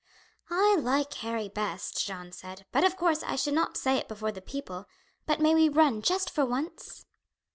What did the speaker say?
"I like Harry best," Jeanne said; "but, of course, I should not say it before the people; but may we run just for once?"